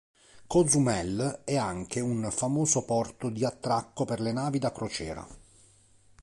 Cozumel è anche un famoso porto di attracco per le navi da crociera.